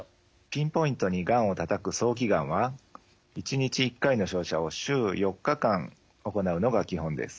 ピンポイントにがんをたたく早期がんは１日１回の照射を週４日間行うのが基本です。